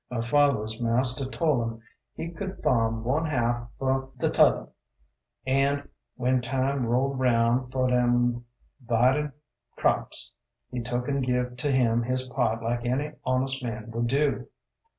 My fathers master tol' him he could farm one half fer th' tother an' when time rolled 'roun' fer dem 'viding crops he took an' give to him his part like any honest man would do.